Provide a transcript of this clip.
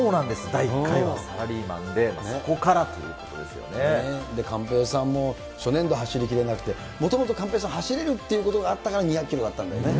第１回はサラリーマンで、寛平さんも初年度、走りきれなくて、もともと寛平さん、走れるということがあったから、２００キロだったんだよね。